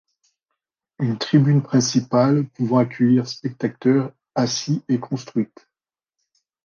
Une tribune principale pouvant accueillir spectateurs assis est construite.